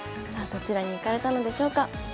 さあどちらに行かれたのでしょうか。